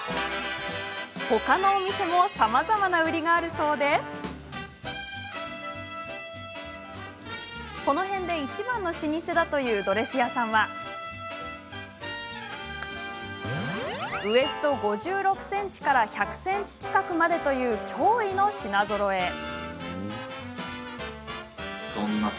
ほかのお店もさまざまな売りがあるそうでこの辺でいちばんの老舗だというドレス屋さんはウエスト５６ｃｍから１００ｃｍ近くまでという驚異の品ぞろえ。